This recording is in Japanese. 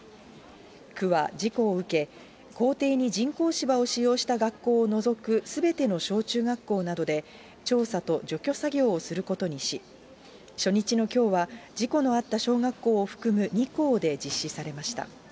区は事故を受け、校庭に人工芝を使用した学校を除くすべての小中学校などで、調査と除去作業をすることにし、初日のきょうは、事故のあった小学校を含む２校で実施されました。